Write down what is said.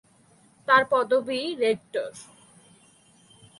তার পদবী রেক্টর।